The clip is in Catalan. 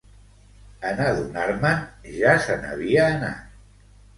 En adonar-me'n, ja se n'havia anat.